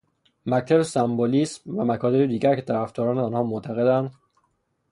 مکتب سمبولیسم و مکاتبی دیگر که طرفداران آنها معتقدند